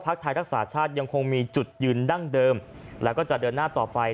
ไทยรักษาชาติยังคงมีจุดยืนดั้งเดิมแล้วก็จะเดินหน้าต่อไป